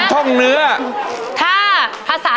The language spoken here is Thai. คนชักนึงทากันทั่ว